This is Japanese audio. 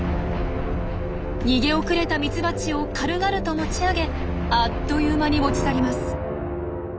逃げ遅れたミツバチを軽々と持ち上げあっという間に持ち去ります。